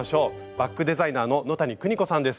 バッグデザイナーの野谷久仁子さんです。